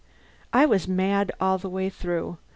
I was mad all the way through.